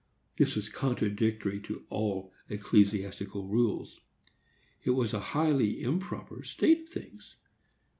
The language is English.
This was contradictory to all ecclesiastical rules. It was a highly improper state of things.